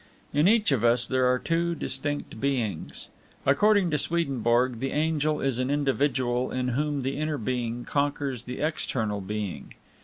In each of us there are two distinct beings. According to Swedenborg, the angel is an individual in whom the inner being conquers the external being.